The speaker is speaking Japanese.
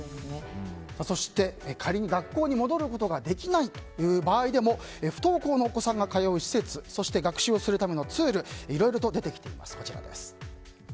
そして仮に、学校に戻ることができない場合でも不登校のお子さんが通う施設そして学習をするためのツールいろいろと出てきています。